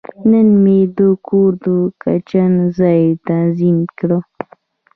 نن مې د کور د کچن ځای تنظیم کړ.